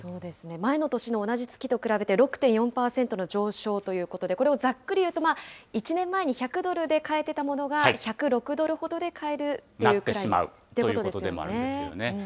前の年の同じ月と比べて６．４％の上昇ということで、これをざっくり言うと、まあ１年前に１００ドルで買えてたものが１０６ドルほどで買えるなってしまうということでもあるんですよね。